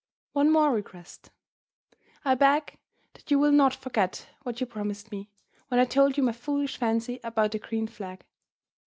"One more request. I beg that you will not forget what you promised me, when I told you my foolish fancy about the green flag.